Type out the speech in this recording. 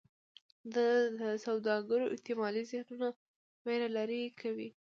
دا د سوداګرو احتمالي زیانونو ویره لرې کوي.